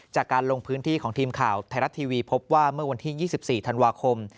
จากการลงพื้นที่ของทีมข่าวไทยรัฐทีวีพบว่าเมื่อวันที่๒๔ธันวาคม